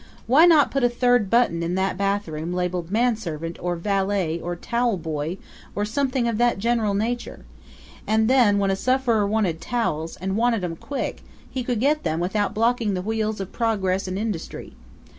Why not put a third button in that bathroom labeled Manservant or Valet or Towel Boy, or something of that general nature? And then when a sufferer wanted towels, and wanted 'em quick, he could get them without blocking the wheels of progress and industry.